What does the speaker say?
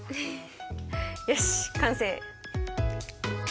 よし完成！